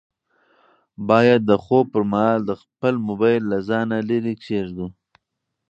باید د خوب پر مهال خپل موبایل له ځانه لیرې کېږدو.